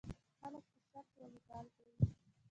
خلک په شرط والیبال کوي.